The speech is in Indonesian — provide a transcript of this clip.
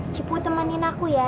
ciput temenin aku ya